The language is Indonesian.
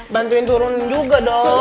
bantuin turun juga dong